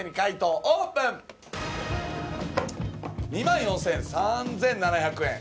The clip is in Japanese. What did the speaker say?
２万４，０００円。